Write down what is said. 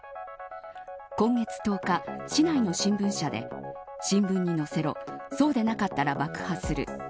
今月１０日、市内の新聞社で新聞に載せろそうでなかったら爆破する。